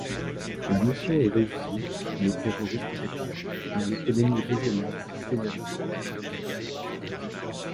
La mission est réussie et les terroristes arrêtés, mais l'économie régionale est pénalisée.